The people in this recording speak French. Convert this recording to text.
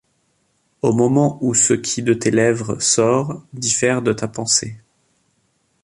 Au moment où ce qui de tes lèvres sort, diffère de ta pensée.